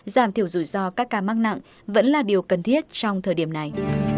giảm thiểu rủi ro các ca mắc nặng vẫn là điều cần thiết trong thời điểm này